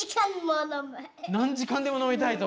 何時間でも飲みたいと。